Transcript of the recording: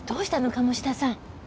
鴨志田さん。